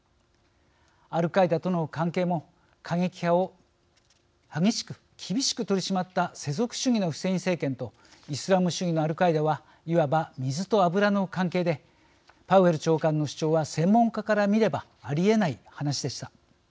アルカイダとの関係も過激派を厳しく取り締まった世俗主義のフセイン政権とイスラム主義のアルカイダはいわば水と油の関係でパウエル長官の主張は専門家から見ればありえない話でした。